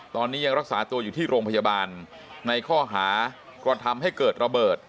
ตอนนี้ยังรักษาตัวอยู่ที่โรงพยาบาลในข้อหากระทำให้เกิดระเบิด